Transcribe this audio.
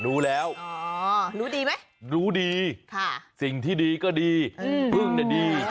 รู้แล้วรู้ดีไหมรู้ดีสิ่งที่ดีก็ดีพึ่งเนี่ยดี